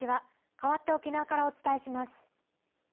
かわって沖縄からお伝えします。